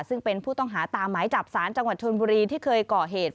ซึ่งเป็นผู้ต้องหาตามหมายจับสารจังหวัดชนบุรีที่เคยก่อเหตุ